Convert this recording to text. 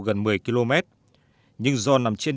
gần một mươi km nhưng do nằm trên